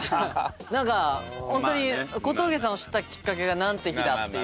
なんかホントに小峠さんを知ったきっかけが「なんて日だ！」っていう。